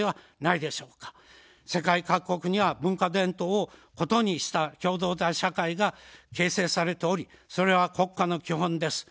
世界各国には文化伝統を異にした共同体社会が形成されており、それは国家の基本です。